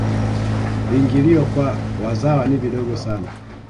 viingilio kwa wazawa ni vidogo sana